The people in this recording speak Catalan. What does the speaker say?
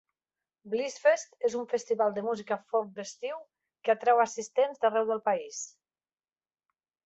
Blissfest és un festival de música folk d'estiu que atreu assistents d'arreu del país.